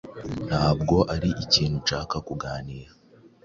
Ntabwo ari ikintu nshaka kuganira.